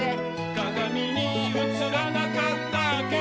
「かがみにうつらなかったけど」